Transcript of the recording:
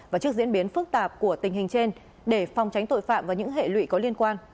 và trước diễn biến phức tạp của tình hình trên để phòng tránh tội phạm và những hệ lụy có liên quan